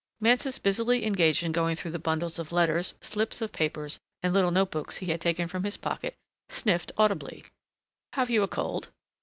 Mansus busily engaged in going through the bundles of letters, slips of paper and little notebooks he had taken from his pocket, sniffed audibly. "Have you a cold?"